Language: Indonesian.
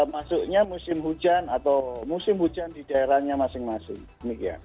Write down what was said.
masuknya musim hujan atau musim hujan di daerahnya masing masing